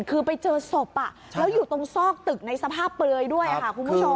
คือไปเจอศพแล้วอยู่ตรงซอกตึกในสภาพเปลือยด้วยค่ะคุณผู้ชม